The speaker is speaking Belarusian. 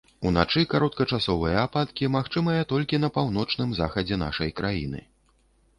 Уначы кароткачасовыя ападкі магчымыя толькі на паўночным захадзе нашай краіны.